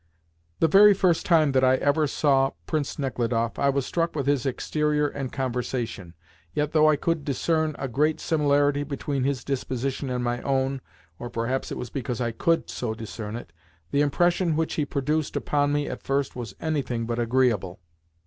The very first time that I ever saw Prince Nechludoff I was struck with his exterior and conversation. Yet, though I could discern a great similarity between his disposition and my own (or perhaps it was because I could so discern it), the impression which he produced upon me at first was anything but agreeable.